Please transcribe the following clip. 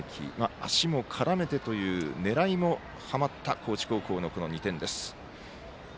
足も絡めてという狙いもはまった高知高校のこの２点です。